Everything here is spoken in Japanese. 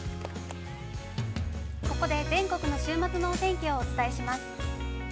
◆ここで、全国の週末のお天気をお伝えします。